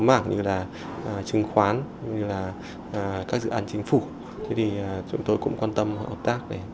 mảng như là chứng khoán như là các dự án chính phủ thế thì chúng tôi cũng quan tâm hợp tác để